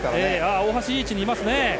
大橋いい位置にいますね。